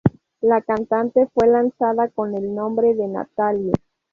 La cantante fue lanzada con el nombre de Nathalie.